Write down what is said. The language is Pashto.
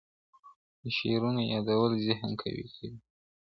د شعرونو یادول ذهن قوي کوي.